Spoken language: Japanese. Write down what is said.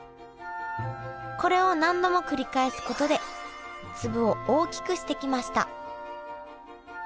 これを何度も繰り返すことで粒を大きくしてきました。